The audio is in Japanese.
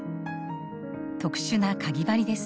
特殊なかぎ針です。